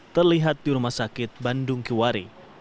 terlihat di rumah sakit bandung kiwari